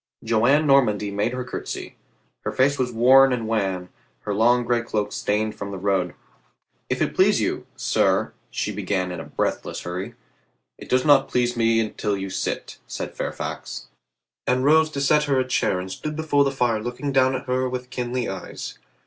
Joan Normandy made her curtsy. Her face was worn and wan, her long gray cloak stained from the road. "If it please you, sir —" she began in a breathless hurry. "It does not please me till you sit," said Fairfax 303 304 COLONEL GREATHEART and rose to set her a chair and stood before the fire looking down at her with kindly eyes.